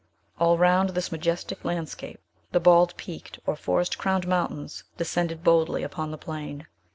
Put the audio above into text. All round this majestic landscape, the bald peaked or forest crowned mountains descended boldly upon the plain.